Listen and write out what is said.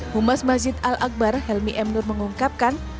humas masjid al akbar helmi m nur mengungkapkan